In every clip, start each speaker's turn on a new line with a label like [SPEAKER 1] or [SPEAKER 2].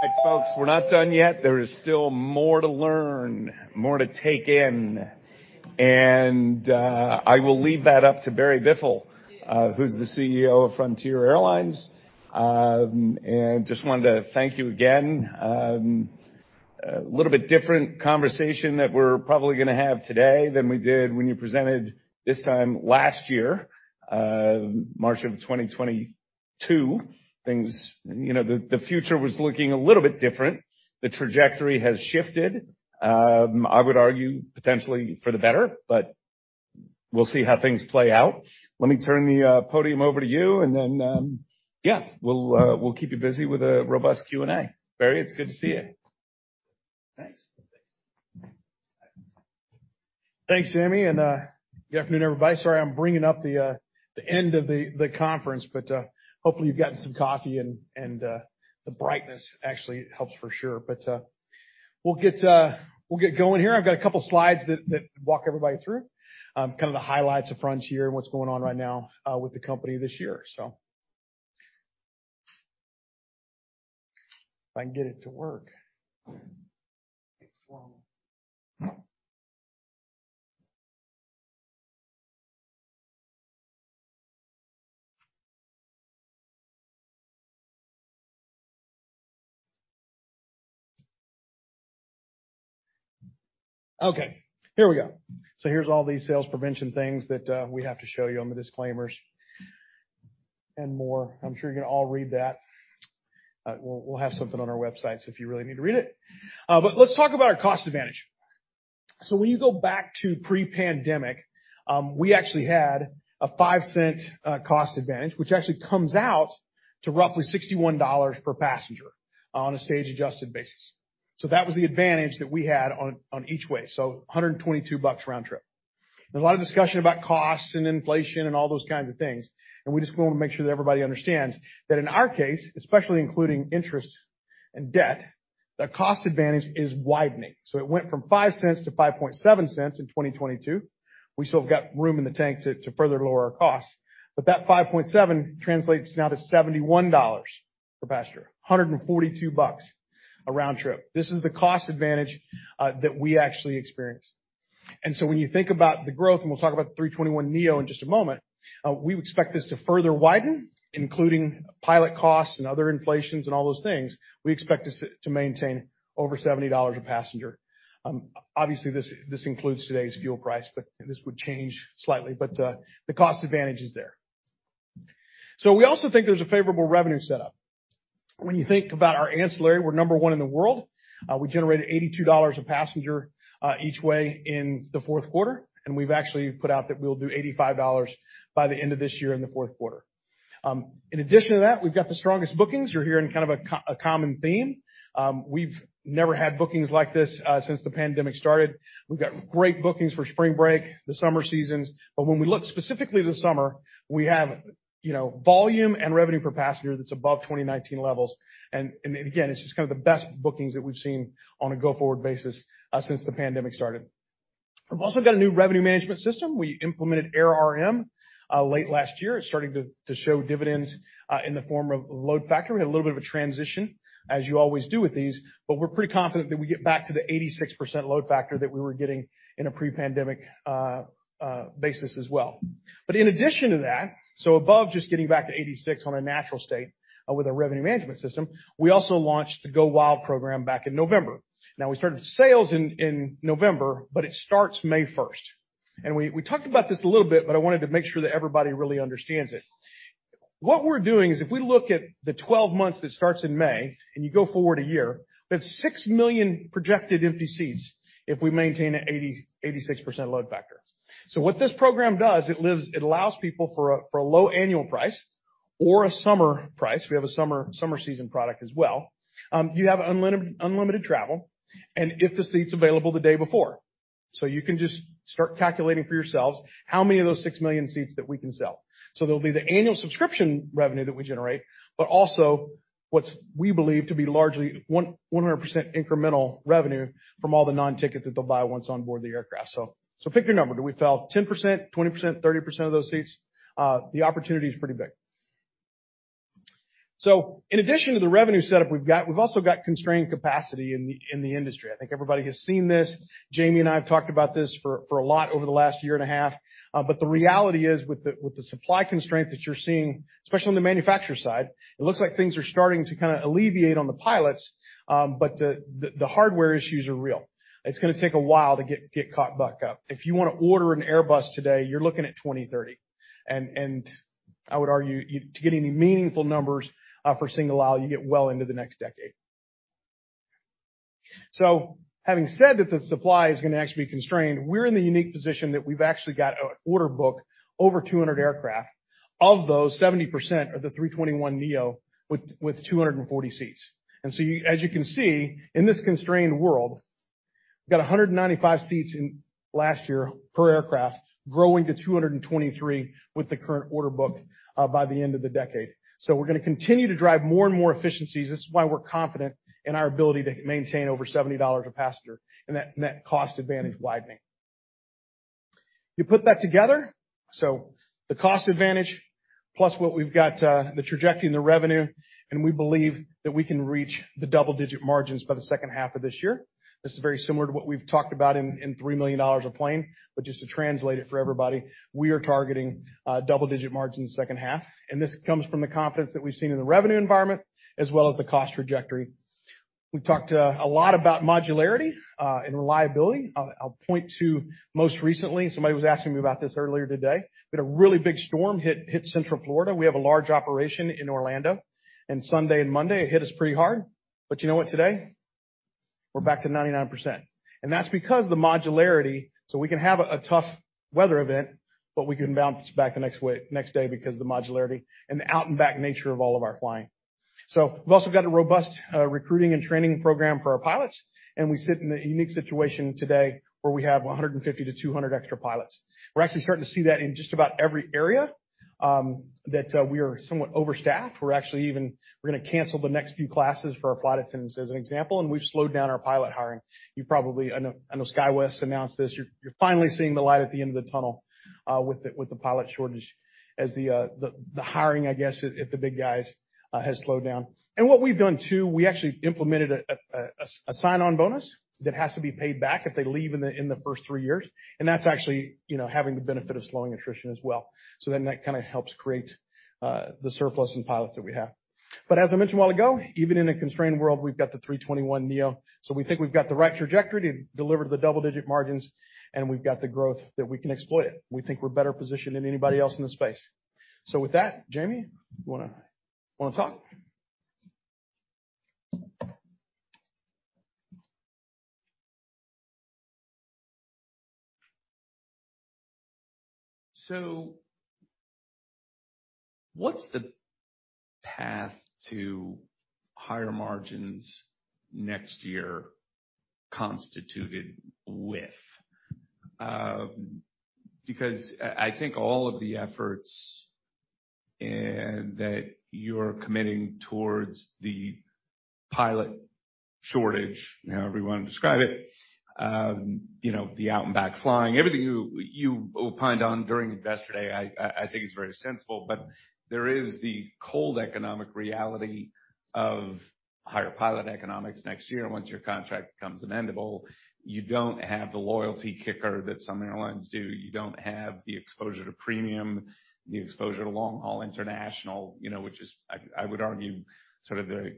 [SPEAKER 1] Thanks, folks. We're not done yet. There is still more to learn, more to take in, and I will leave that up to Barry Biffle, who's the CEO of Frontier Airlines. Just wanted to thank you again. A little bit different conversation that we're probably gonna have today than we did when you presented this time last year, March of 2022. You know, the future was looking a little bit different. The trajectory has shifted. I would argue potentially for the better, but we'll see how things play out. Let me turn the podium over to you and then, yeah, we'll keep you busy with a robust Q&A. Barry, it's good to see you. Thanks.
[SPEAKER 2] Thanks, Jamie. Good afternoon, everybody. Sorry, I'm bringing up the end of the conference, but hopefully, you've gotten some coffee and the brightness actually helps for sure. We'll get going here. I've got a couple slides that walk everybody through kind of the highlights of Frontier and what's going on right now with the company this year. If I can get it to work. Excellent. Okay, here we go. Here's all these sales prevention things that we have to show you on the disclaimers and more. I'm sure you can all read that. We'll have something on our website, so if you really need to read it. Let's talk about our cost advantage. When you go back to pre-pandemic, we actually had a $0.05 cost advantage, which actually comes out to roughly $61 per passenger on a stage-adjusted basis. That was the advantage that we had on each way, so $122 bucks round trip. There's a lot of discussion about costs and inflation and all those kinds of things, and we just wanna make sure that everybody understands that in our case, especially including interest and debt, the cost advantage is widening. It went from $0.05 to $0.057 in 2022. We still have got room in the tank to further lower our costs. That $0.057 translates now to $71 per passenger, $142 bucks a round trip. This is the cost advantage that we actually experience. When you think about the growth, we'll talk about the A321neo in just a moment, we expect this to further widen, including pilot costs and other inflations and all those things. We expect this to maintain over $70 a passenger. Obviously, this includes today's fuel price, but this would change slightly. The cost advantage is there. We also think there's a favorable revenue setup. When you think about our ancillary, we're number one in the world. We generated $82 a passenger each way in the fourth quarter, and we've actually put out that we'll do $85 by the end of this year in the fourth quarter. In addition to that, we've got the strongest bookings. You're hearing kind of a common theme. We've never had bookings like this since the pandemic started. We've got great bookings for spring break, the summer seasons. When we look specifically at the summer, we have, you know, volume and revenue per passenger that's above 2019 levels. Again, it's just kind of the best bookings that we've seen on a go-forward basis since the pandemic started. We've also got a new revenue management system. We implemented airRM late last year. It's starting to show dividends in the form of load factor. We had a little bit of a transition, as you always do with these, but we're pretty confident that we get back to the 86% load factor that we were getting in a pre-pandemic basis as well. In addition to that, so above just getting back to 86 on a natural state with our revenue management system, we also launched the GoWild! program back in November. We started sales in November, but it starts May 1st. We talked about this a little bit, but I wanted to make sure that everybody really understands it. What we're doing is if we look at the 12 months that starts in May and you go forward one year, that's six million projected empty seats if we maintain an 86% load factor. What this program does, it allows people for a low annual price or a summer price, we have a summer season product as well, you have unlimited travel and if the seat's available the day before. You can just start calculating for yourselves how many of those six million seats that we can sell. There'll be the annual subscription revenue that we generate, but also what's we believe to be largely 100% incremental revenue from all the non-ticket that they'll buy once on board the aircraft. Pick your number. Do we sell 10%, 20%, 30% of those seats? The opportunity is pretty big. In addition to the revenue setup we've got, we've also got constrained capacity in the industry. I think everybody has seen this. Jamie and I have talked about this for a lot over the last year and a half. The reality is, with the supply constraint that you're seeing, especially on the manufacturer side, it looks like things are starting to kinda alleviate on the pilots, but the hardware issues are real. It's gonna take a while to get caught back up. If you wanna order an Airbus today, you're looking at 2030. I would argue to get any meaningful numbers for single aisle, you get well into the next decade. Having said that the supply is gonna actually be constrained, we're in the unique position that we've actually got a order book over 200 aircraft. Of those, 70% are the A321neo with 240 seats. As you can see, in this constrained world, we've got 195 seats in last year per aircraft, growing to 223 with the current order book, by the end of the decade. We're gonna continue to drive more and more efficiencies. This is why we're confident in our ability to maintain over $70 a passenger and that net cost advantage widening. You put that together, so the cost advantage plus what we've got, the trajectory and the revenue, and we believe that we can reach the double-digit margins by the second half of this year. This is very similar to what we've talked about in $3 million a plane. Just to translate it for everybody, we are targeting double-digit margins second half. This comes from the confidence that we've seen in the revenue environment as well as the cost trajectory. We've talked a lot about modularity and reliability. I'll point to most recently, somebody was asking me about this earlier today. We had a really big storm hit Central Florida. We have a large operation in Orlando, and Sunday and Monday, it hit us pretty hard. You know what today? We're back to 99%, and that's because the modularity, so we can have a tough weather event, but we can bounce back the next day because the modularity and the out and back nature of all of our flying. We've also got a robust recruiting and training program for our pilots, and we sit in a unique situation today where we have 150 to 200 extra pilots. We're actually starting to see that in just about every area, that we are somewhat overstaffed. We're actually gonna cancel the next few classes for our flight attendants, as an example, and we've slowed down our pilot hiring. I know SkyWest's announced this. You're, you're finally seeing the light at the end of the tunnel, with the pilot shortage as the hiring, I guess at the Big Guys, has slowed down. What we've done, too, we actually implemented a sign-on bonus that has to be paid back if they leave in the first three years. That's actually, you know, having the benefit of slowing attrition as well. That kinda helps create the surplus in pilots that we have. As I mentioned a while ago, even in a constrained world, we've got the A321neo. We think we've got the right trajectory to deliver to the double-digit margins, and we've got the growth that we can exploit it. We think we're better positioned than anybody else in the space. With that, Jamie, you wanna talk?
[SPEAKER 1] What's the path to higher margins next year constituted with? Because I think all of the efforts and that you're committing towards the pilot shortage, however you wanna describe it, you know, the out and back flying, everything you opined on during Investor Day, I think is very sensible. There is the cold economic reality of higher pilot economics next year. Once your contract becomes amendable, you don't have the loyalty kicker that some airlines do. You don't have the exposure to premium, the exposure to long-haul international, you know, which is, I would argue sort of the,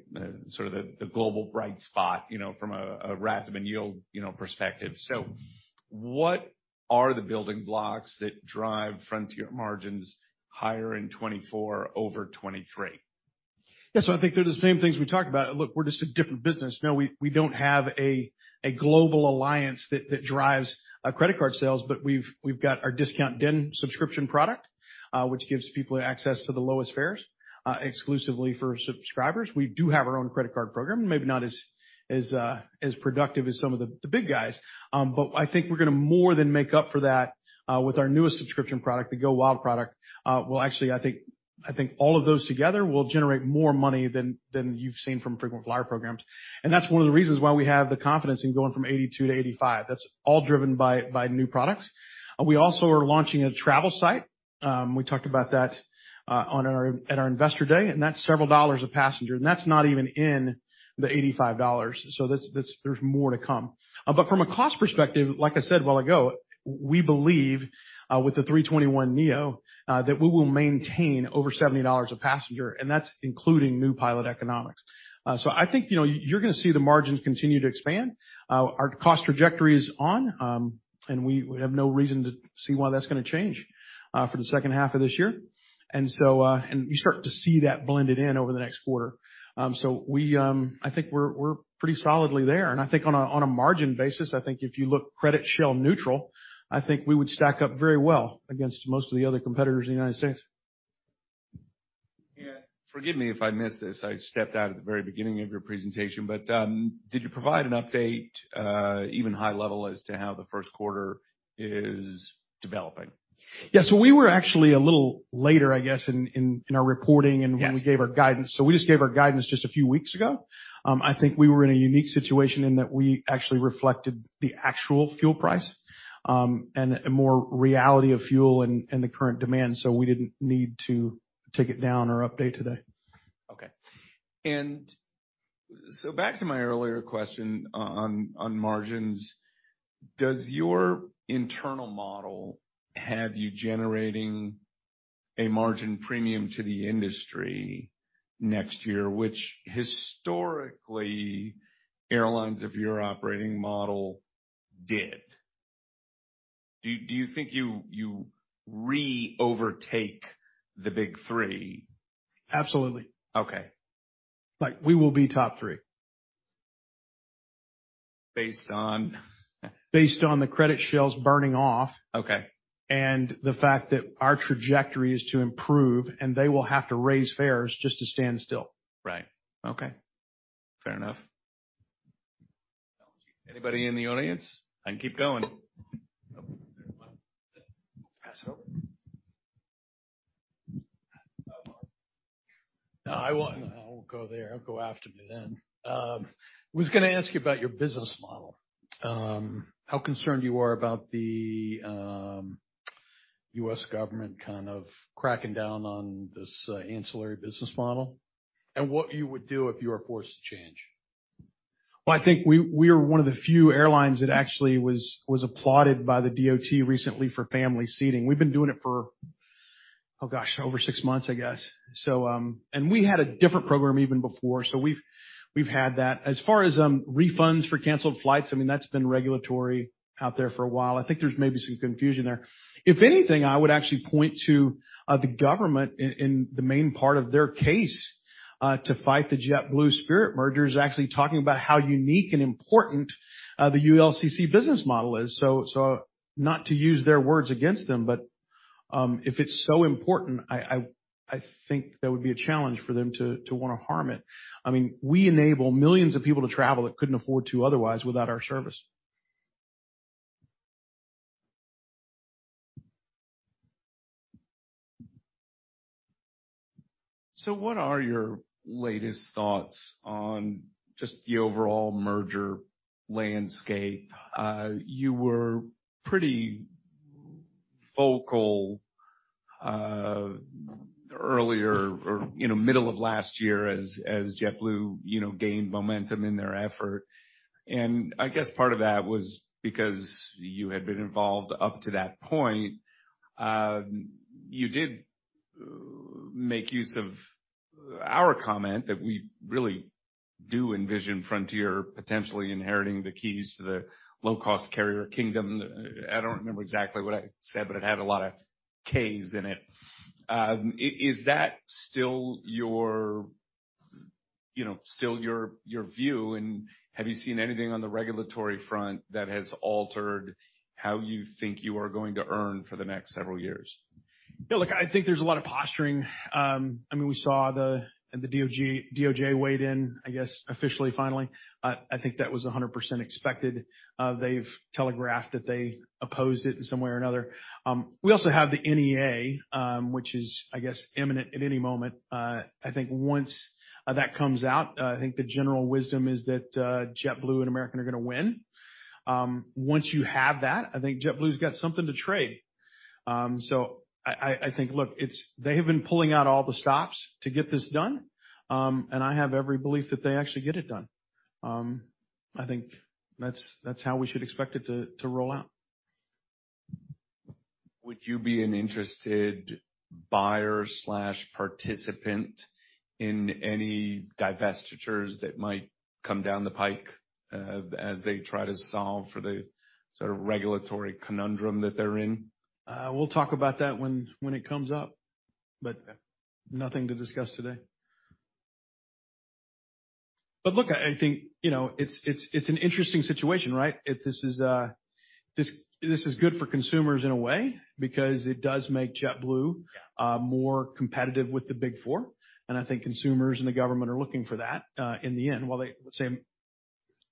[SPEAKER 1] sort of the global bright spot, you know, from a RASM and yield, you know, perspective. What are the building blocks that drive Frontier margins higher in 2024 over 2023?
[SPEAKER 2] I think they're the same things we talked about. Look, we're just a different business. You know, we don't have a global alliance that drives credit card sales, but we've got our Discount Den subscription product, which gives people access to the lowest fares exclusively for subscribers. We do have our own credit card program, maybe not as productive as some of the big guys. I think we're gonna more than make up for that with our newest subscription product, the GoWild! product. Well, actually, I think all of those together will generate more money than you've seen from frequent flyer programs. That's one of the reasons why we have the confidence in going from 82 to 85. That's all driven by new products. We also are launching a travel site. We talked about that at our Investor Day, and that's several dollars a passenger, and that's not even in the $85. That's. There's more to come. But from a cost perspective, like I said a while ago, we believe with the A321neo, that we will maintain over $70 a passenger, and that's including new pilot economics. I think, you know, you're gonna see the margins continue to expand. Our cost trajectory is on, and we have no reason to see why that's gonna change for the second half of this year. You start to see that blended in over the next quarter. I think we're pretty solidly there. I think on a margin basis, I think if you look credit shell neutral, I think we would stack up very well against most of the other competitors in the United States.
[SPEAKER 1] Yeah. Forgive me if I missed this. I stepped out at the very beginning of your presentation, but did you provide an update, even high level as to how the first quarter is developing?
[SPEAKER 2] Yeah. We were actually a little later, I guess, in, in our reporting-
[SPEAKER 1] Yes.
[SPEAKER 2] When we gave our guidance. We just gave our guidance just a few weeks ago. I think we were in a unique situation in that we actually reflected the actual fuel price and a more reality of fuel and the current demand. We didn't need to take it down or update today.
[SPEAKER 1] Okay. back to my earlier question on margins. Does your internal model have you generating a margin premium to the industry next year, which historically airlines of your operating model did? Do you think you re-overtake the Big Three?
[SPEAKER 2] Absolutely.
[SPEAKER 1] Okay.
[SPEAKER 2] Like, we will be top three.
[SPEAKER 1] Based on?
[SPEAKER 2] Based on the credit shells burning off.
[SPEAKER 1] Okay.
[SPEAKER 2] The fact that our trajectory is to improve, and they will have to raise fares just to stand still.
[SPEAKER 1] Right. Okay. Fair enough. Anybody in the audience? I can keep going. Pass it over. No, I won't go there. I'll go after you then. Was gonna ask you about your business model. How concerned you are about the U.S. government kind of cracking down on this ancillary business model, and what you would do if you were forced to change?
[SPEAKER 2] I think we are one of the few airlines that actually was applauded by the DOT recently for family seating. We've been doing it for over six months, I guess. We had a different program even before, we've had that. As far as refunds for canceled flights, I mean, that's been regulatory out there for a while. I think there's maybe some confusion there. If anything, I would actually point to the government in the main part of their case to fight the JetBlue Spirit merger is actually talking about how unique and important the ULCC business model is. So not to use their words against them, if it's so important, I think that would be a challenge for them to wanna harm it. I mean, we enable millions of people to travel that couldn't afford to otherwise without our service.
[SPEAKER 1] What are your latest thoughts on just the overall merger landscape? You were pretty vocal earlier or, you know, middle of last year as JetBlue, you know, gained momentum in their effort. I guess part of that was because you had been involved up to that point. You did make use of our comment that we really do envision Frontier potentially inheriting the keys to the low-cost carrier kingdom. I don't remember exactly what I said, but it had a lot of K's in it. Is that still your, you know, still your view? Have you seen anything on the regulatory front that has altered how you think you are going to earn for the next several years?
[SPEAKER 2] Look, I think there's a lot of posturing. I mean, we saw the DOJ weighed in, I guess, officially, finally. I think that was 100% expected. They've telegraphed that they opposed it in some way or another. We also have the NEA, which is, I guess, imminent at any moment. I think once that comes out, I think the general wisdom is that JetBlue and American are gonna win. Once you have that, I think JetBlue's got something to trade. I think, look, they have been pulling out all the stops to get this done, and I have every belief that they actually get it done. I think that's how we should expect it to roll out.
[SPEAKER 1] Would you be an interested buyer/participant in any divestitures that might come down the pike, as they try to solve for the sort of regulatory conundrum that they're in?
[SPEAKER 2] We'll talk about that when it comes up, nothing to discuss today. Look, I think, you know, it's an interesting situation, right? If this is, this is good for consumers in a way because it does make JetBlue more competitive with the Big Four, and I think consumers and the government are looking for that in the end. While they, let's say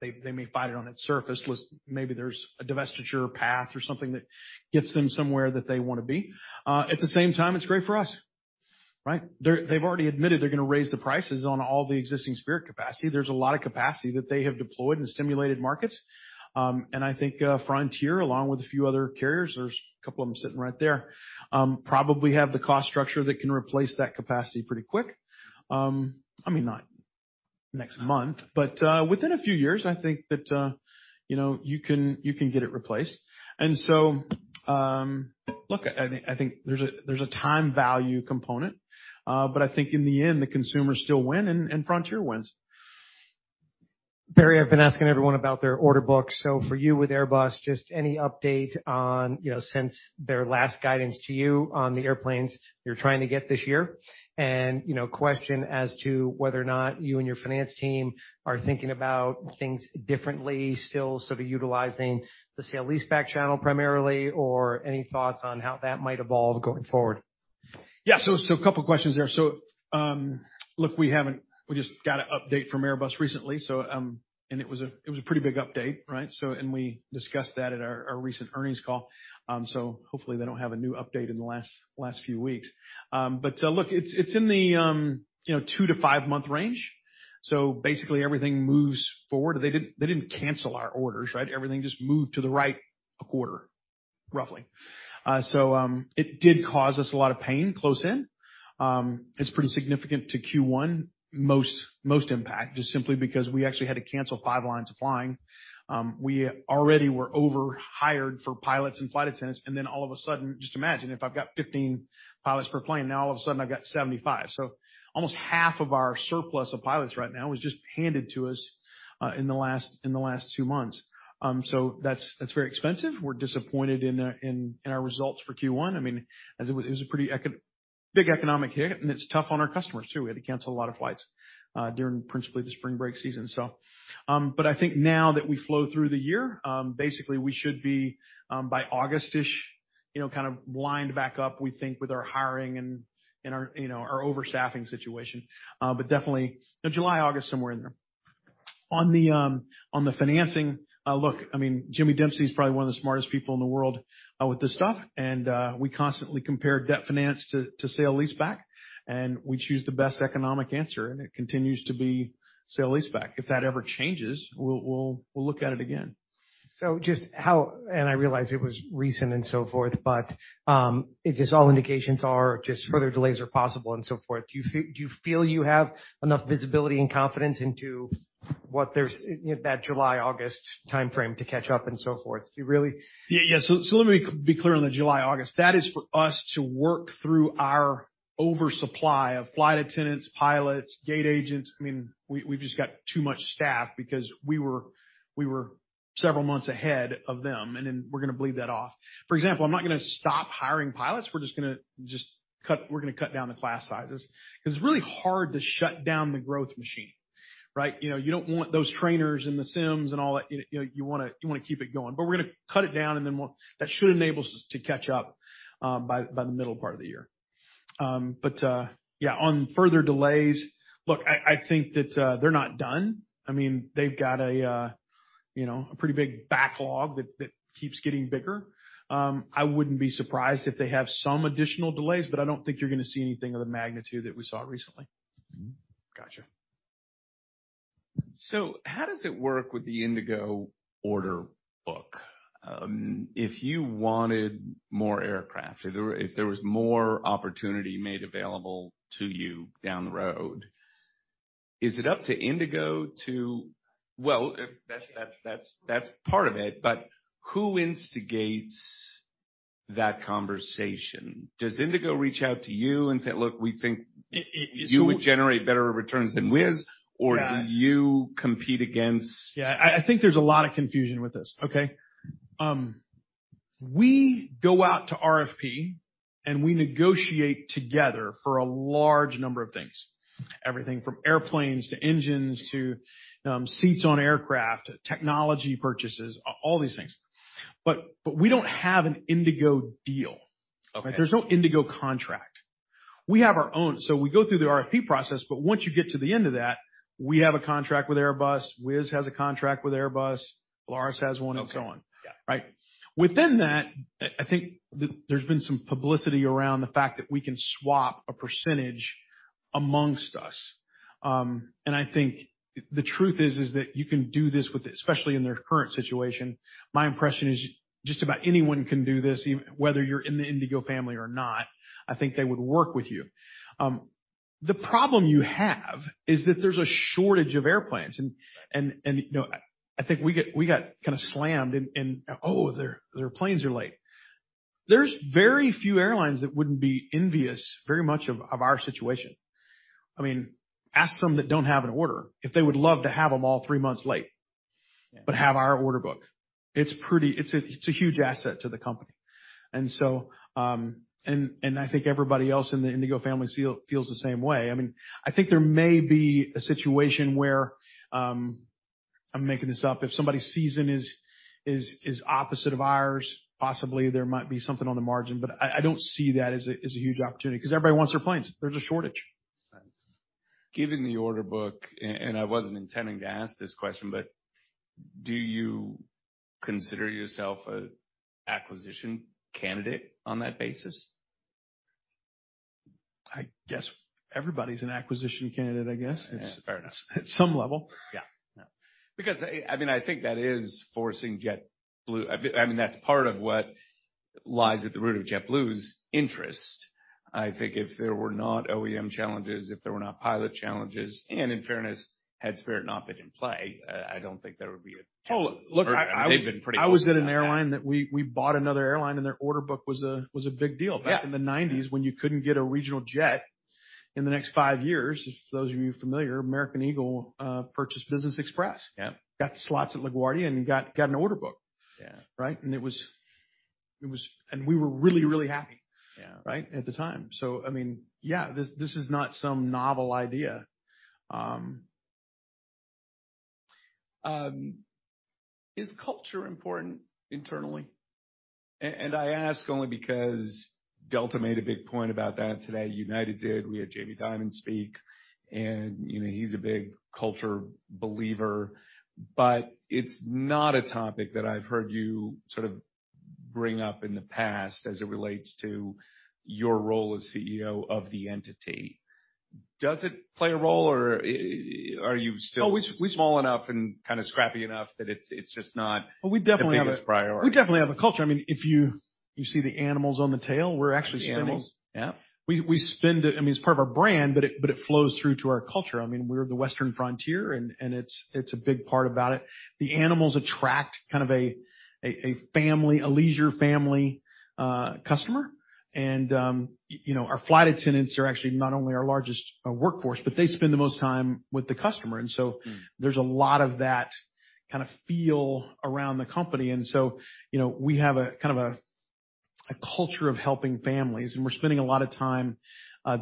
[SPEAKER 2] they may fight it on its surface, maybe there's a divestiture path or something that gets them somewhere that they wanna be. At the same time, it's great for us, right? They've already admitted they're gonna raise the prices on all the existing Spirit capacity. There's a lot of capacity that they have deployed in stimulated markets. I think Frontier, along with a few other carriers, there's a couple of them sitting right there, probably have the cost structure that can replace that capacity pretty quick. I mean, not next month, but, within a few years, I think that, you know, you can get it replaced. Look, I think there's a time value component, but I think in the end, the consumers still win and Frontier wins.
[SPEAKER 1] Barry, I've been asking everyone about their order book. For you with Airbus, just any update on, you know, since their last guidance to you on the airplanes you're trying to get this year? You know, question as to whether or not you and your finance team are thinking about things differently, still sort of utilizing the sale leaseback channel primarily, or any thoughts on how that might evolve going forward?
[SPEAKER 2] Yeah. A couple questions there. Look, we just got an update from Airbus recently, so, and it was a pretty big update, right? And we discussed that at our recent earnings call. Hopefully they don't have a new update in the last few weeks. Look, it's in the, you know, two to five month range. Basically, everything moves forward. They didn't cancel our orders, right? Everything just moved to the right a quarter, roughly. It did cause us a lot of pain close in. It's pretty significant to Q1, most impact, just simply because we actually had to cancel five lines of flying. We already were over-hired for pilots and flight attendants, and then all of a sudden, just imagine, if I've got 15 pilots per plane, now all of a sudden, I've got 75. Almost half of our surplus of pilots right now was just handed to us in the last two months. That's very expensive. We're disappointed in our results for Q1. I mean, as it was, it was a pretty big economic hit, and it's tough on our customers, too. We had to cancel a lot of flights during principally the spring break season. I think now that we flow through the year, basically we should be by August-ish, you know, kind of lined back up, we think, with our hiring and our, you know, our overstaffing situation. Definitely July, August, somewhere in there. On the financing, look, I mean, James Dempsey is probably one of the smartest people in the world with this stuff. We constantly compare debt finance to sale leaseback, and we choose the best economic answer, and it continues to be sale leaseback. If that ever changes, we'll look at it again.
[SPEAKER 1] I realize it was recent and so forth, but, it's just all indications are just further delays are possible and so forth. Do you feel you have enough visibility and confidence into what there's, you know, that July, August timeframe to catch up and so forth? Do you really?
[SPEAKER 2] Yeah. Let me be clear on the July, August. That is for us to work through our oversupply of flight attendants, pilots, gate agents. I mean, we've just got too much staff because we were several months ahead of them, and then we're gonna bleed that off. For example, I'm not gonna stop hiring pilots. We're just gonna cut down the class sizes 'cause it's really hard to shut down the growth machine, right? You know, you don't want those trainers in the sims and all that. You wanna keep it going. We're gonna cut it down, and then that should enable us to catch up by the middle part of the year. Yeah, on further delays, look, I think that they're not done. I mean, they've got a, you know, a pretty big backlog that keeps getting bigger. I wouldn't be surprised if they have some additional delays, but I don't think you're gonna see anything of the magnitude that we saw recently.
[SPEAKER 1] Mm-hmm. Gotcha. How does it work with the Indigo order book? If you wanted more aircraft, if there was more opportunity made available to you down the road, is it up to Indigo to... That's part of it. Who instigates that conversation? Does Indigo reach out to you and say, "Look, we think you would generate better returns than Wizz"?
[SPEAKER 2] Yeah.
[SPEAKER 1] Do you compete against-?
[SPEAKER 2] Yeah, I think there's a lot of confusion with this, okay? We go out to RFP, and we negotiate together for a large number of things, everything from airplanes to engines to seats on aircraft, technology purchases, all these things. We don't have an Indigo deal.
[SPEAKER 1] Okay.
[SPEAKER 2] There's no Indigo contract. We have our own. We go through the RFP process, but once you get to the end of that, we have a contract with Airbus, Wizz has a contract with Airbus, Volaris has one, and so on.
[SPEAKER 1] Okay. Got it.
[SPEAKER 2] Right? Within that, I think there's been some publicity around the fact that we can swap a percentage amongst us. I think the truth is that you can do this with especially in their current situation. My impression is just about anyone can do this, even whether you're in the Indigo family or not, I think they would work with you. The problem you have is that there's a shortage of airplanes. You know, I think we got kinda slammed and, "Oh, their planes are late." There's very few airlines that wouldn't be envious very much of our situation. I mean, ask some that don't have an order if they would love to have them all three months late...
[SPEAKER 1] Yeah.
[SPEAKER 2] Have our order book. It's a, it's a huge asset to the company. I think everybody else in the Indigo family feels the same way. I mean, I think there may be a situation where, I'm making this up, if somebody's season is opposite of ours, possibly there might be something on the margin. I don't see that as a, as a huge opportunity 'cause everybody wants their planes. There's a shortage.
[SPEAKER 1] Given the order book, and I wasn't intending to ask this question, but do you consider yourself an acquisition candidate on that basis?
[SPEAKER 2] I guess everybody's an acquisition candidate, I guess.
[SPEAKER 1] Yeah.
[SPEAKER 2] In fairness. At some level.
[SPEAKER 1] Yeah. Yeah. Because, I mean, I think that is forcing JetBlue. I mean, that's part of what lies at the root of JetBlue's interest. I think if there were not OEM challenges, if there were not pilot challenges, and in fairness, had Spirit not been in play, I don't think there would be.
[SPEAKER 2] Well, look, I.
[SPEAKER 1] They've been pretty open about that.
[SPEAKER 2] I was at an airline that we bought another airline, and their order book was a big deal.
[SPEAKER 1] Yeah.
[SPEAKER 2] Back in the 90s when you couldn't get a regional jet in the next five years, for those of you familiar, American Eagle purchased Business Express.
[SPEAKER 1] Yeah.
[SPEAKER 2] Got the slots at LaGuardia and got an order book.
[SPEAKER 1] Yeah.
[SPEAKER 2] Right? We were really happy.
[SPEAKER 1] Yeah.
[SPEAKER 2] right? At the time. I mean, yeah, this is not some novel idea.
[SPEAKER 1] Is culture important internally? I ask only because Delta made a big point about that today. United did. We had Jamie Dimon speak, and, you know, he's a big culture believer. It's not a topic that I've heard you sort of bring up in the past as it relates to your role as CEO of the entity. Does it play a role, or are you still-
[SPEAKER 2] Oh, we.
[SPEAKER 1] Small enough and kinda scrappy enough that it's just not-
[SPEAKER 2] We definitely have.
[SPEAKER 1] The biggest priority.
[SPEAKER 2] We definitely have a culture. I mean, if you see the animals on the tail, we're actually.
[SPEAKER 1] The animals? Yeah.
[SPEAKER 2] We spend, I mean, it's part of our brand, but it flows through to our culture. I mean, we're the Western frontier, and it's a big part about it. The animals attract kind of a family, a leisure family customer. You know, our flight attendants are actually not only our largest workforce, but they spend the most time with the customer.
[SPEAKER 1] Mm.
[SPEAKER 2] There's a lot of that kinda feel around the company. you know, we have a kind of a culture of helping families, and we're spending a lot of time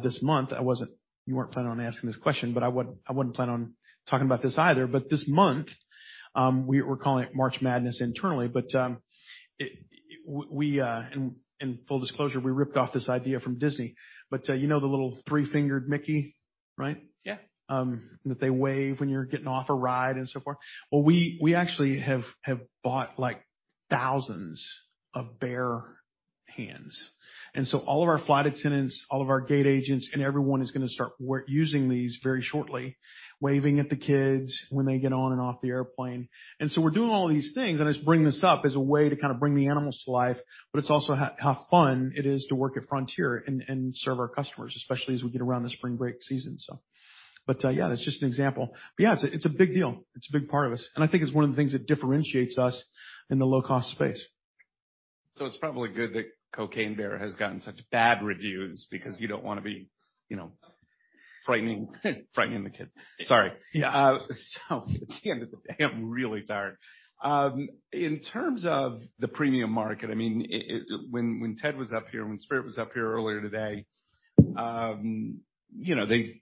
[SPEAKER 2] this month. You weren't planning on asking this question, but I wouldn't plan on talking about this either. This month, we're calling it March Madness internally, but, in full disclosure, we ripped off this idea from Disney, but, you know the little three-fingered Mickey, right?
[SPEAKER 1] Yeah.
[SPEAKER 2] That they wave when you're getting off a ride and so forth. Well, we actually have bought, like, thousands of bear hands. All of our flight attendants, all of our gate agents, and everyone is gonna start using these very shortly, waving at the kids when they get on and off the airplane. We're doing all these things, and I just bring this up as a way to kind of bring the animals to life, but it's also how fun it is to work at Frontier and serve our customers, especially as we get around the spring break season. Yeah, that's just an example. Yeah, it's a big deal. It's a big part of us, and I think it's one of the things that differentiates us in the low-cost space.
[SPEAKER 1] It's probably good that Cocaine Bear has gotten such bad reviews because you don't wanna be, you know, frightening the kids. Sorry.
[SPEAKER 2] Yeah.
[SPEAKER 1] At the end of the day, I'm really tired. In terms of the premium market, I mean, when Ted was up here, when Spirit was up here earlier today, you know, they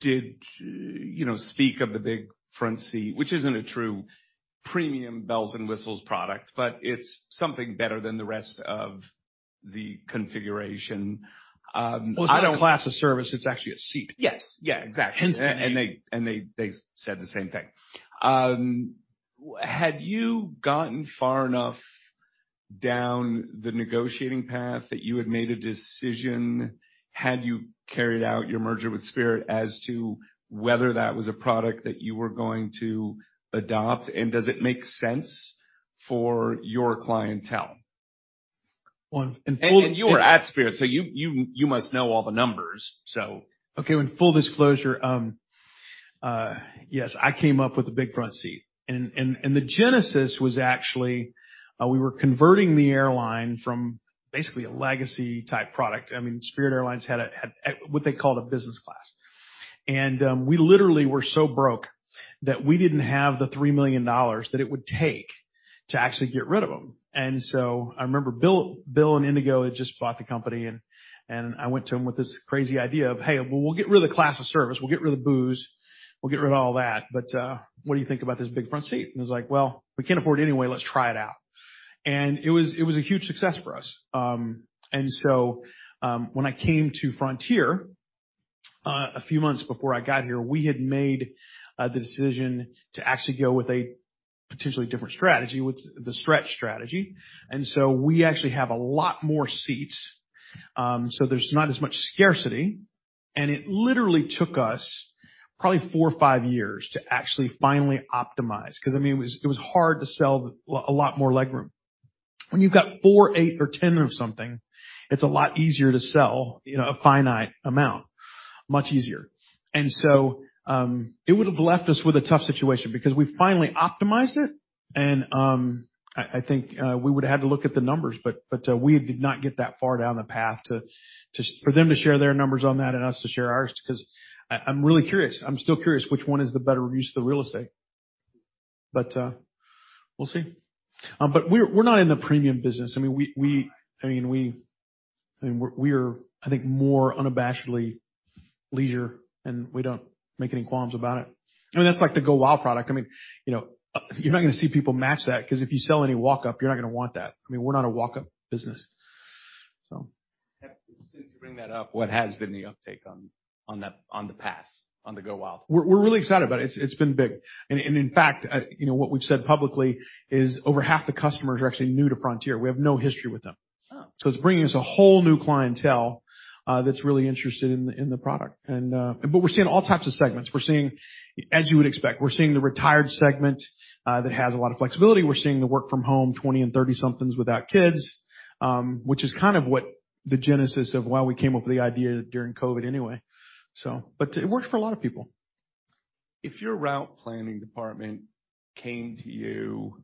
[SPEAKER 1] did, you know, speak of the Big Front Seat, which isn't a true premium bells and whistles product, but it's something better than the rest of the configuration.
[SPEAKER 2] Well, it's not a class of service, it's actually a seat.
[SPEAKER 1] Yes. Yeah, exactly.
[SPEAKER 2] Hence the name.
[SPEAKER 1] They said the same thing. Had you gotten far enough down the negotiating path that you had made a decision had you carried out your merger with Spirit as to whether that was a product that you were going to adopt, and does it make sense for your clientele?
[SPEAKER 2] Well, in full.
[SPEAKER 1] You were at Spirit, so you must know all the numbers.
[SPEAKER 2] Okay, in full disclosure, yes, I came up with the Big Front Seat. The genesis was actually, we were converting the airline from basically a legacy-type product. I mean, Spirit Airlines had a, what they called a business class. We literally were so broke that we didn't have $3 million that it would take to actually get rid of them. I remember Bill and Indigo had just bought the company, and I went to him with this crazy idea of, "Hey, well, we'll get rid of the class of service. We'll get rid of the booze. We'll get rid of all that. What do you think about this Big Front Seat?" He's like, "Well, we can't afford it anyway. Let's try it out." It was a huge success for us. When I came to Frontier, a few months before I got here, we had made the decision to actually go with a potentially different strategy, with the stretch strategy. We actually have a lot more seats, so there's not as much scarcity. It literally took us probably four or five years to actually finally optimize. 'Cause, I mean, it was hard to sell a lot more legroom. When you've got four, eight or 10 of something, it's a lot easier to sell, you know, a finite amount, much easier. It would have left us with a tough situation because we finally optimized it and I think we would have had to look at the numbers, but we did not get that far down the path for them to share their numbers on that and us to share ours because I'm really curious. I'm still curious which one is the better use of the real estate. We'll see. We're not in the premium business. I mean, we're, I think, more unabashedly leisure, and we don't make any qualms about it. I mean, that's like the GoWild! product. I mean, you know, you're not gonna see people match that 'cause if you sell any walk-up, you're not gonna want that. I mean, we're not a walk-up business, so.
[SPEAKER 1] Since you bring that up, what has been the uptake on that, on the pass, on the GoWild!?
[SPEAKER 2] We're really excited about it. It's been big. In fact, you know, what we've said publicly is over half the customers are actually new to Frontier. We have no history with them.
[SPEAKER 1] Oh.
[SPEAKER 2] It's bringing us a whole new clientele that's really interested in the product. We're seeing all types of segments. We're seeing, as you would expect, we're seeing the retired segment that has a lot of flexibility. We're seeing the work from home 20 and 30-somethings without kids, which is kind of what the genesis of why we came up with the idea during COVID anyway. It works for a lot of people.
[SPEAKER 1] If your route planning department came to you,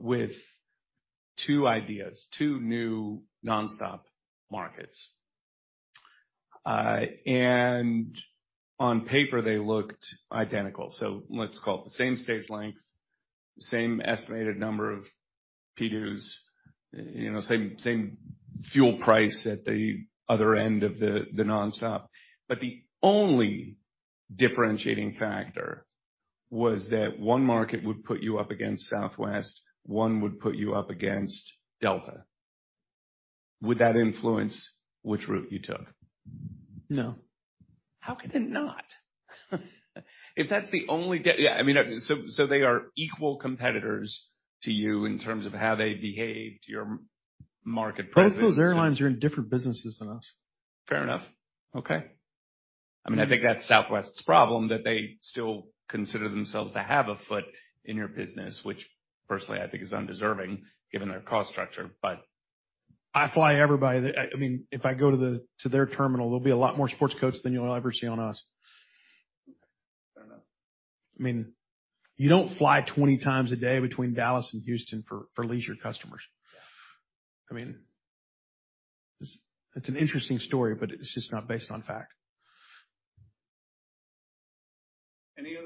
[SPEAKER 1] with two ideas, two new nonstop markets, and on paper, they looked identical. Let's call it the same stage length, same estimated number of PDUs, you know, same fuel price at the other end of the nonstop. The only differentiating factor was that one market would put you up against Southwest, one would put you up against Delta. Would that influence which route you took?
[SPEAKER 2] No.
[SPEAKER 1] How could it not? If that's the only Yeah, I mean, so they are equal competitors to you in terms of how they behave to your market presence and.
[SPEAKER 2] Both those airlines are in different businesses than us.
[SPEAKER 1] Fair enough. Okay. I mean, I think that's Southwest's problem, that they still consider themselves to have a foot in your business, which personally I think is undeserving given their cost structure, but.
[SPEAKER 2] I fly everybody I mean, if I go to their terminal, there'll be a lot more sports coats than you'll ever see on us.
[SPEAKER 1] Okay. Fair enough.
[SPEAKER 2] I mean, you don't fly 20 times a day between Dallas and Houston for leisure customers.
[SPEAKER 1] Yeah.
[SPEAKER 2] I mean, it's an interesting story, but it's just not based on fact.
[SPEAKER 1] Any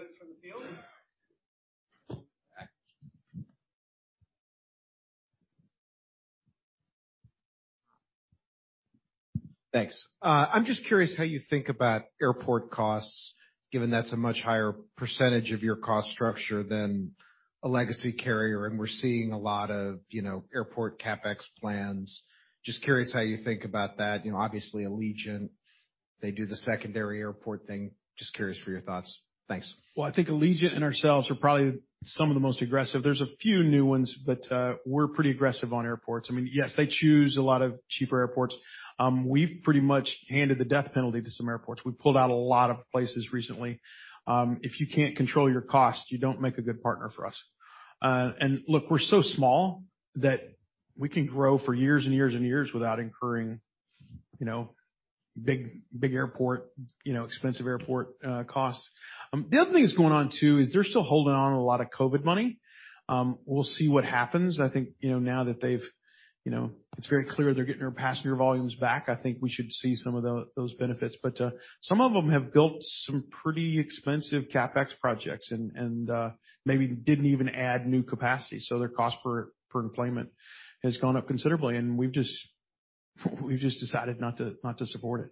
[SPEAKER 1] others from the field?
[SPEAKER 3] Thanks. I'm just curious how you think about airport costs, given that's a much higher percentage of your cost structure than a legacy carrier, and we're seeing a lot of, you know, airport CapEx plans. Just curious how you think about that. You know, obviously Allegiant, they do the secondary airport thing. Just curious for your thoughts. Thanks.
[SPEAKER 2] I think Allegiant and ourselves are probably some of the most aggressive. There's a few new ones, but we're pretty aggressive on airports. I mean, yes, they choose a lot of cheaper airports. We've pretty much handed the death penalty to some airports. We pulled out a lot of places recently. If you can't control your costs, you don't make a good partner for us. Look, we're so small that we can grow for years and years and years without incurring, you know, big, big airport, you know, expensive airport costs. The other thing that's going on too is they're still holding on to a lot of COVID money. We'll see what happens. I think, you know, now that they've, you know, it's very clear they're getting their passenger volumes back, I think we should see some of those benefits. Some of them have built some pretty expensive CapEx projects and maybe didn't even add new capacity, so their cost per enplanement has gone up considerably, and we've just decided not to support it.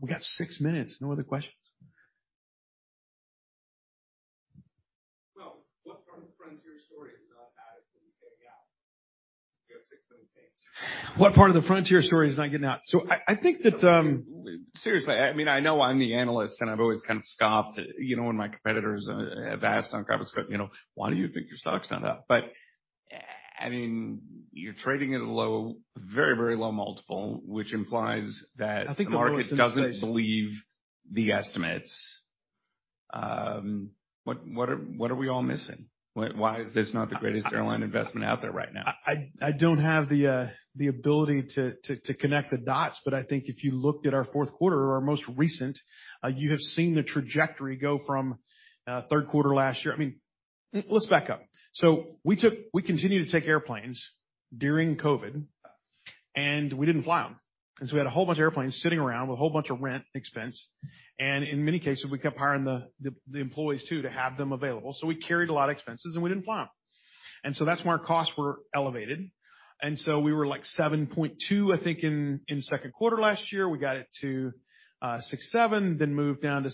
[SPEAKER 2] We got six minutes. No other questions?
[SPEAKER 1] Well, what part of the Frontier story is not adding to the payout? You have six new planes.
[SPEAKER 2] What part of the Frontier story is not getting out? I think that.
[SPEAKER 1] Seriously, I mean, I know I'm the analyst, and I've always kind of scoffed, you know, when my competitors have asked on you know, "Why do you think your stock's not up?" I mean, you're trading at a low, very, very low multiple, which implies that.
[SPEAKER 2] I think the world is sensational
[SPEAKER 1] The market doesn't believe the estimates. What are we all missing? Why is this not the greatest airline investment out there right now?
[SPEAKER 2] I don't have the ability to connect the dots, I think if you looked at our fourth quarter or our most recent, you have seen the trajectory go from third quarter last year. I mean, let's back up. We continued to take airplanes during COVID. We didn't fly them. We had a whole bunch of airplanes sitting around with a whole bunch of rent expense, and in many cases, we kept hiring the employees too to have them available. We carried a lot of expenses. We didn't fly them. That's why our costs were elevated. We were, like, 7.2, I think, in second quarter last year. We got it to 6.7, moved down to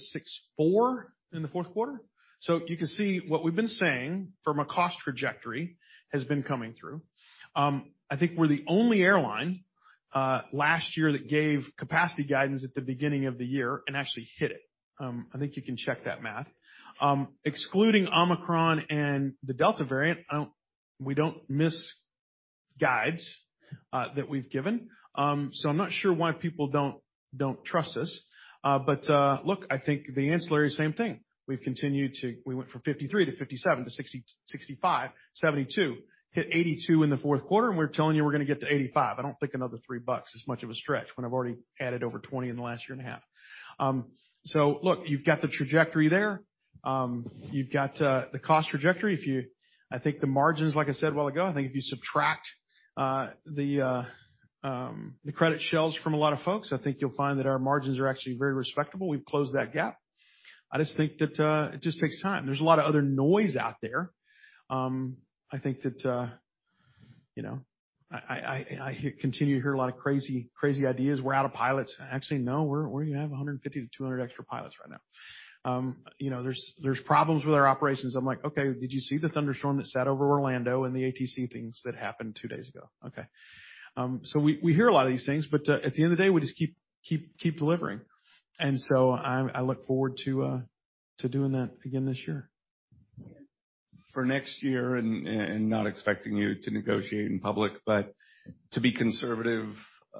[SPEAKER 2] 6.4 in the fourth quarter. You can see what we've been saying from a cost trajectory has been coming through. I think we're the only airline last year that gave capacity guidance at the beginning of the year and actually hit it. I think you can check that math. Excluding Omicron and the Delta variant, we don't miss guides that we've given. I'm not sure why people don't trust us. Look, I think the ancillary, same thing. We've continued to... We went from 53 to 57 to 60, 65, 72. Hit 82 in the fourth quarter, and we're telling you we're gonna get to 85. I don't think another $3 is much of a stretch when I've already added over 20 in the last year and a half. Look, you've got the trajectory there. You've got the cost trajectory I think the margins, like I said a while ago, I think if you subtract the credit shells from a lot of folks, I think you'll find that our margins are actually very respectable. We've closed that gap. I just think that it just takes time. There's a lot of other noise out there. I think that, you know, I continue to hear a lot of crazy ideas. We're out of pilots. Actually, no, we have 150 to 200 extra pilots right now. you know, there's problems with our operations. I'm like, "Okay, did you see the thunderstorm that sat over Orlando and the ATC things that happened two days ago? Okay. We hear a lot of these things, but at the end of the day, we just keep delivering. I look forward to doing that again this year.
[SPEAKER 1] For next year, and not expecting you to negotiate in public, but to be conservative,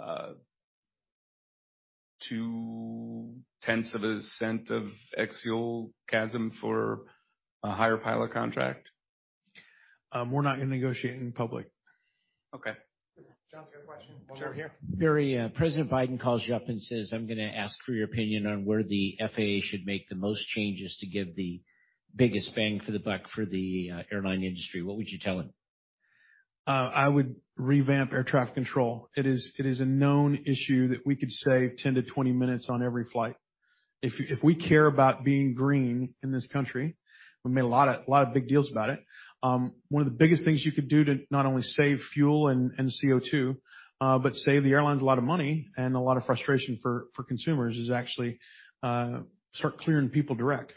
[SPEAKER 1] $0.002 of ex-fuel CASM for a higher pilot contract?
[SPEAKER 2] We're not gonna negotiate in public.
[SPEAKER 1] Okay. John, do you have a question?
[SPEAKER 4] Sure.
[SPEAKER 1] While we're here.
[SPEAKER 4] Barry, President Biden calls you up and says, "I'm gonna ask for your opinion on where the FAA should make the most changes to give the biggest bang for the buck for the airline industry," what would you tell him?
[SPEAKER 2] I would revamp air traffic control. It is a known issue that we could save 10-20 minutes on every flight. If we care about being green in this country, we made a lot of big deals about it, one of the biggest things you could do to not only save fuel and CO2, but save the airlines a lot of money and a lot of frustration for consumers is actually start clearing people direct.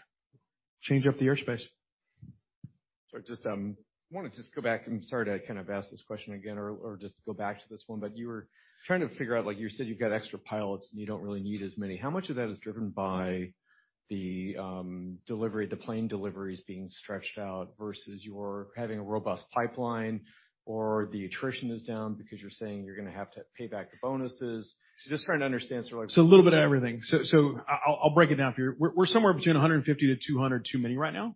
[SPEAKER 2] Change up the airspace.
[SPEAKER 1] I just wanna just go back, and sorry to kind of ask this question again or just go back to this one. You were trying to figure out, like you said, you've got extra pilots, and you don't really need as many. How much of that is driven by the delivery, the plane deliveries being stretched out versus you're having a robust pipeline or the attrition is down because you're saying you're gonna have to pay back the bonuses? Just trying to understand sort of like.
[SPEAKER 2] It's a little bit of everything. I'll break it down for you. We're somewhere between 150-200 too many right now.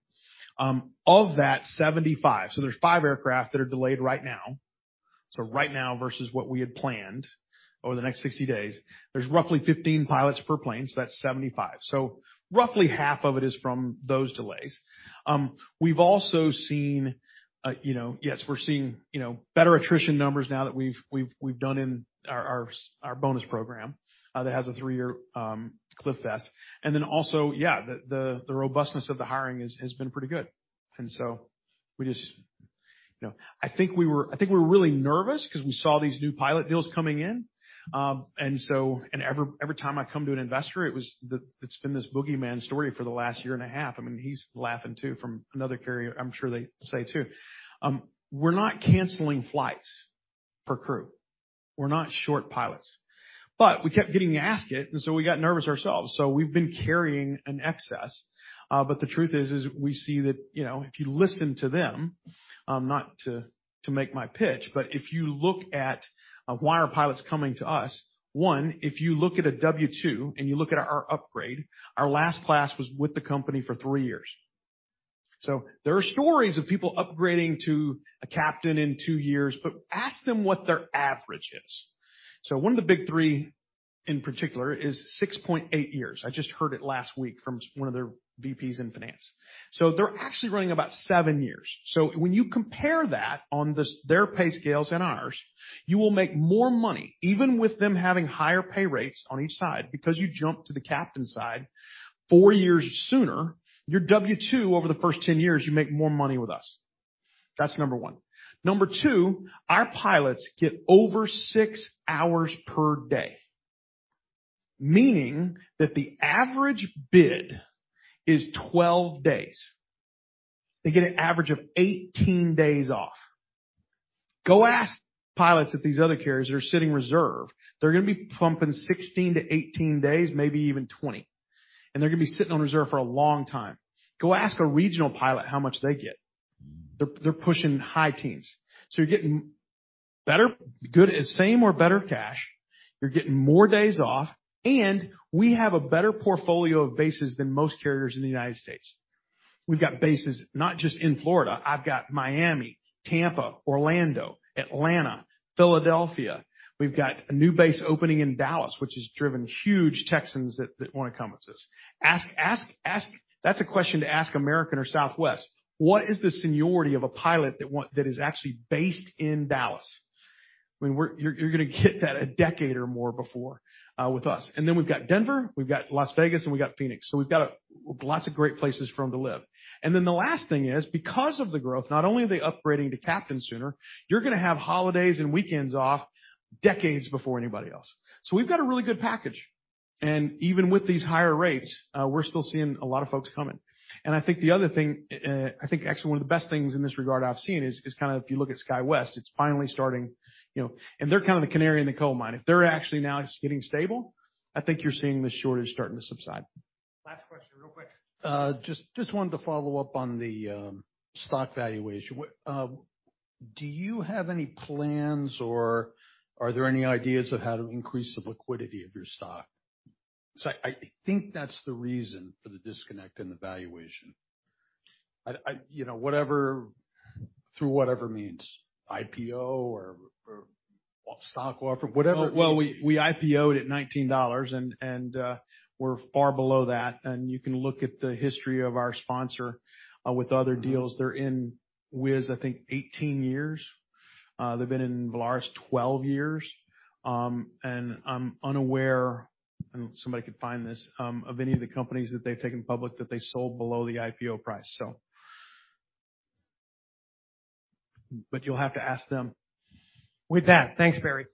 [SPEAKER 2] Of that, 75. There's five aircraft that are delayed right now. Right now versus what we had planned over the next 60 days, there's roughly 15 pilots per plane, that's 75. Roughly half of it is from those delays. We've also seen, you know, yes, we're seeing, you know, better attrition numbers now that we've done in our bonus program, that has a three-year cliff vest. Also, yeah, the robustness of the hiring has been pretty good. You know, I think we were really nervous because we saw these new pilot deals coming in. Every time I come to an investor, it's been this boogeyman story for the last year and a half. I mean, he's laughing too from another carrier. I'm sure they say too. We're not canceling flights for crew. We're not short pilots. We kept getting asked it, and so we got nervous ourselves. We've been carrying an excess. The truth is we see that, you know, if you listen to them, not to make my pitch, but if you look at why are pilots coming to us, one, if you look at a W-2 and you look at our upgrade, our last class was with the company for three years. There are stories of people upgrading to a captain in two years, but ask them what their average is. One of the Big Three in particular is 6.8 years. I just heard it last week from one of their VPs in finance. They're actually running about seven years. When you compare that on this, their pay scales and ours, you will make more money, even with them having higher pay rates on each side, because you jump to the captain side four years sooner, your W-2 over the first 10 years, you make more money with us. That's number one. Number two, our pilots get over six hours per day, meaning that the average bid is 12 days. They get an average of 18 days off. Go ask pilots at these other carriers that are sitting reserve. They're gonna be pumping 16-18 days, maybe even 20, and they're gonna be sitting on reserve for a long time. Go ask a regional pilot how much they get. They're pushing high teens. You're getting better, good, same or better cash. You're getting more days off. We have a better portfolio of bases than most carriers in the United States. We've got bases, not just in Florida. I've got Miami, Tampa, Orlando, Atlanta, Philadelphia. We've got a new base opening in Dallas, which has driven huge Texans that wanna come with us. That's a question to ask American or Southwest. What is the seniority of a pilot that is actually based in Dallas? I mean, you're gonna get that a decade or more before with us. We've got Denver, we've got Las Vegas, and we've got Phoenix. We've got lots of great places for them to live. The last thing is, because of the growth, not only are they upgrading to captain sooner, you're gonna have holidays and weekends off decades before anybody else. We've got a really good package. Even with these higher rates, we're still seeing a lot of folks coming. I think the other thing, I think actually one of the best things in this regard I've seen is kinda if you look at SkyWest, it's finally starting, you know. They're kinda the canary in the coal mine. If they're actually now it's getting stable, I think you're seeing the shortage starting to subside.
[SPEAKER 1] Last question, real quick.
[SPEAKER 3] Just wanted to follow up on the stock valuation. What do you have any plans or are there any ideas of how to increase the liquidity of your stock? 'Cause I think that's the reason for the disconnect in the valuation. I, you know, whatever, through whatever means, IPO or stock offer, whatever.
[SPEAKER 2] Well, we IPO'd at $19 and we're far below that. You can look at the history of our sponsor with other deals. They're in Wizz, I think 18 years. They've been in Volaris 12 years. I'm unaware, I don't know if somebody could find this, of any of the companies that they've taken public that they sold below the IPO price. You'll have to ask them.
[SPEAKER 1] With that, thanks, Barry.